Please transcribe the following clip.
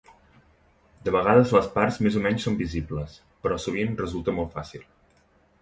De vegades les parts més o menys són visibles, però sovint resulta molt fàcil.